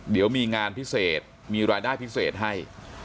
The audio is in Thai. เดี๋ยวมีงานพิเศษมีรายได้พิเศษให้